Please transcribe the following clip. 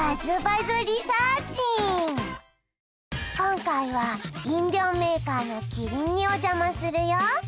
今回は飲料メーカーのキリンにお邪魔するよ